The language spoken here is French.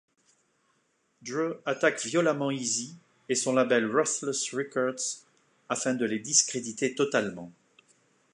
Dre attaque violemment Eazy et son label Ruthless Records, afin de les discréditer totalement.